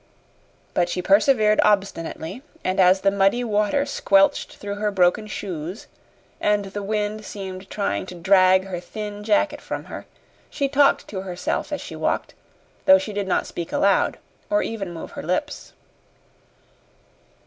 But she persevered obstinately, and as the muddy water squelched through her broken shoes and the wind seemed trying to drag her thin jacket from her, she talked to herself as she walked, though she did not speak aloud or even move her lips.